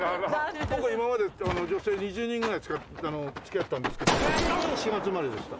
僕は今まで女性２０人ぐらい付き合ったんですけど全員４月生まれでした。